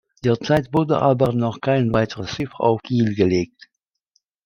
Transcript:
Derzeit wurde aber noch kein weiteres Schiff auf Kiel gelegt.